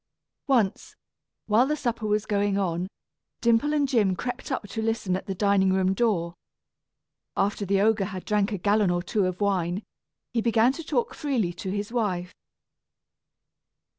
Once, while the supper was going on, Dimple and Jim crept up to listen at the dining room door. After the ogre had drank a gallon or two of wine, he began to talk freely to his wife.